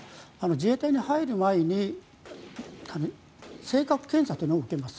自衛隊に入る前に性格検査というのを受けます。